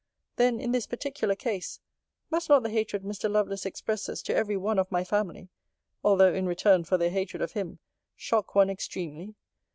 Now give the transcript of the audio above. Then, in this particular case, must not the hatred Mr. Lovelace expresses to every one of my family (although in return for their hatred of him) shock one extremely?